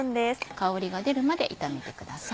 香りが出るまで炒めてください。